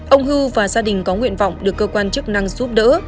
ông hư và gia đình có nguyện vọng được cơ quan chức năng giúp đỡ